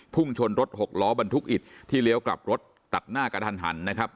พุ่งชนรถหกล้อบรรทุกอิดที่เลี้ยวกลับรถตัดหน้ากระทันหันนะครับ